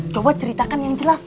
coba ceritakan yang jelas